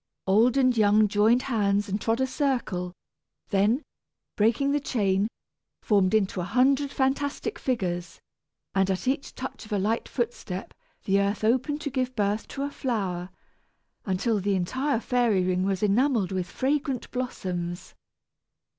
Old and young joined hands and trod a circle, then, breaking the chain, formed into a hundred fantastic figures; and at each touch of a light footstep, the earth opened to give birth to a flower, until the entire fairy ring was enamelled with fragrant blossoms.